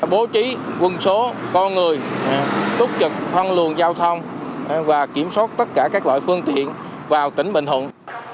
bố trí quân số con người túp trực thông lường giao thông và kiểm soát tất cả các loại phương tiện vào tỉnh bình hùng